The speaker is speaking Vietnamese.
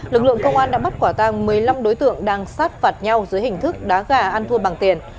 lực lượng công an đã bắt quả tăng một mươi năm đối tượng đang sát phạt nhau dưới hình thức đá gà ăn thua bằng tiền